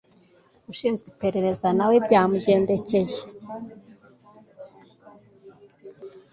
Ushinzwe iperereza nawe nuko byamugendekeye